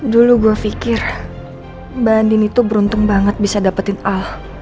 dulu gue pikir mbak andin itu beruntung banget bisa dapetin ah